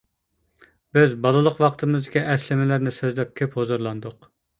بىز بالىلىق ۋاقتىمىزدىكى ئەسلىمىلەرنى سۆزلەپ كۆپ ھۇزۇرلاندۇق.